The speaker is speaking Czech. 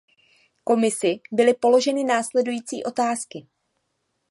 Komisi byly položeny následující otázky.